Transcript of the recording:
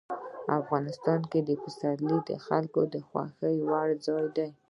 افغانستان کې پسرلی د خلکو د خوښې وړ ځای دی.